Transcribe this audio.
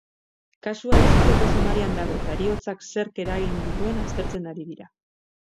Kasua isilpeko sumarioan dago eta heriotzak zerk eragin dituen aztertzen ari dira.